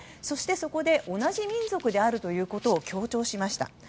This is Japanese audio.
そして、そこで同じ民族であるということを強調しました。